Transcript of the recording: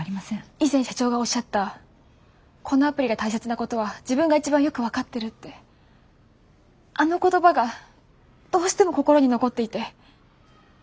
以前社長がおっしゃった「このアプリが大切なことは自分が一番よく分かってる」ってあの言葉がどうしても心に残っていて。